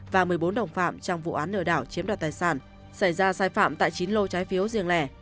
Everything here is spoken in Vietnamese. và một mươi bốn đồng phạm trong vụ án lừa đảo chiếm đoạt tài sản xảy ra sai phạm tại chín lô trái phiếu riêng lẻ